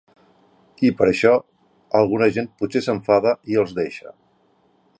I per això alguna gent potser s’enfada i els deixa.